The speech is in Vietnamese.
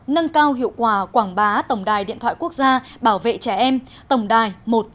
nâng cao hiệu quả quảng bá tổng đài điện thoại quốc gia bảo vệ trẻ em tổng đài một trăm một mươi ba